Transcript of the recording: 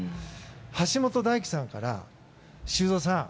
橋本大輝さんから修造さん